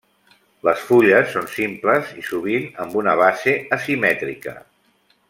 Les fulles són simples i sovint amb una base asimètrica.